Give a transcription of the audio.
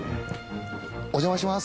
お邪魔します。